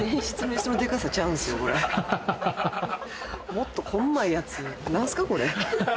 もっとこんまいやつ何すかこれ。